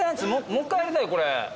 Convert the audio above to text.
もう一回やりたいこれ。